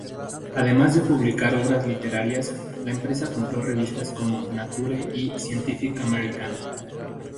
Además de publicar obras literarias, la empresa compró revistas como "Nature" y "Scientific American".